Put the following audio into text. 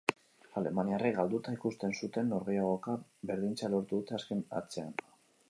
Alemaniarrek galduta ikusten zuten norgehiagoka berdintzea lortu dute azken hatsean.